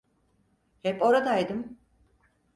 Hep oradaydım.